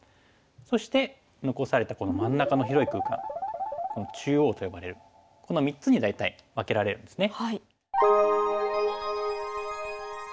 そして残されたこの真ん中の広い空間「中央」と呼ばれるこの３つに大体分けられるんですね。